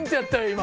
今。